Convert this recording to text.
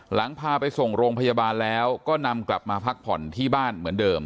หลังพาไปส่งโรงพยาบาลแล้วก็นำกลับมาพักผ่อนที่บ้านเหมือนเดิม